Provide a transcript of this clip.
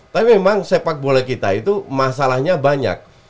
tapi memang sepak bola kita itu masalahnya banyak